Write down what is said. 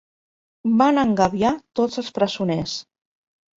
Van engabiar tots els presoners.